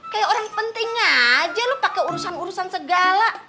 kayak orang penting aja lu pakai urusan urusan segala